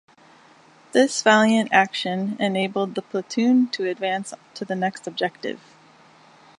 This valiant action enabled the platoon to advance to the next objective.